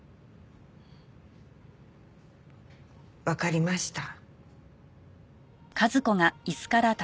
わかりました。